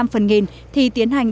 một năm phần nghìn thì tiến hành